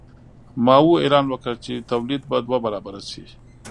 ماوو اعلان وکړ چې تولید به دوه برابره شي.